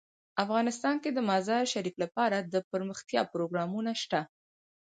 افغانستان کې د مزارشریف لپاره دپرمختیا پروګرامونه شته.